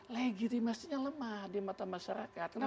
legitimasinya lemah di mata masyarakat